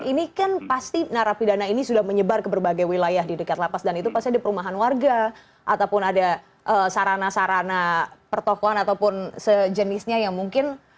ini kan pasti narapidana ini sudah menyebar ke berbagai wilayah di dekat lapas dan itu pasti ada perumahan warga ataupun ada sarana sarana pertokohan ataupun sejenisnya yang mungkin